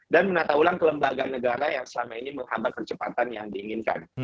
dan menata ulang kelembagaan negara yang selama ini menghambat percepatan yang diinginkan